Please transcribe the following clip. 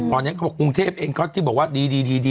ตอนนี้เขาบอกกรุงเทพเองเขาที่บอกว่าดี